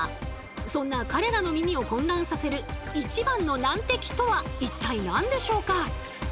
そんな彼らの耳を混乱させる一番の難敵とは一体何でしょうか？